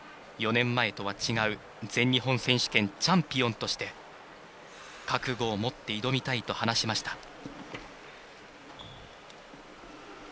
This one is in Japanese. ４年前とは違う全日本選手権チャンピオンとして覚悟を持って挑みたいと話しました。